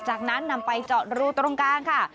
จากนั้นนำไปเจาะรูตรงกลางค่ะ